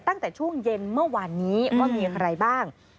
ตั้งแต่ช่วงเย็นเมื่อวานนี้ว่ามีใครบ้าง